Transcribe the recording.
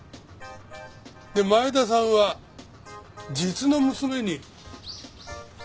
で前田さんは実の娘に。